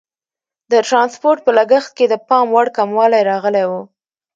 د ټرانسپورټ په لګښت کې د پام وړ کموالی راغلی وو.